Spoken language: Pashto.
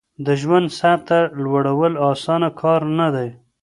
د ژوند سطحه لوړول اسانه کار نه دی.